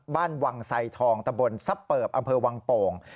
บ้านวังไซทองตะบนซับเปิบอำเภอวังโป่ง